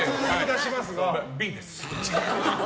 Ｂです。